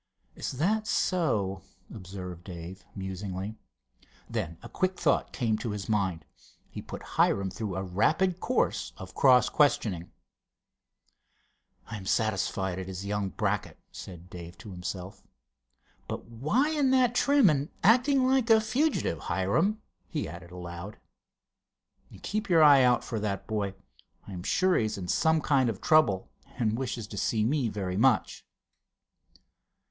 "Is that so?" observed Dave, musingly. Then a quick thought came to his mind. He put Hiram through a rapid course of cross questioning. "I am satisfied it is young Brackett," said Dave, to himself. "But why in that trim, and acting like a fugitive? Hiram," he added aloud, "keep your eye out for that boy. I am sure he is in some kind of trouble, and wishes to see me very much."